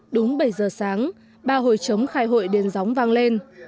đúng bảy giờ sáng ba hồi chống khai hội đền gióng vang lên